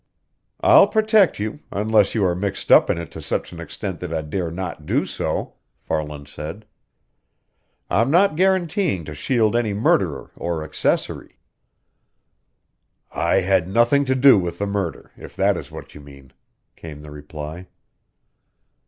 "I'll protect you, unless you are mixed up in it to such an extent that I'd dare not do so," Farland said. "I'm not guaranteeing to shield any murderer or accessory." "I had nothing to do with the murder, if that is what you mean," came the reply.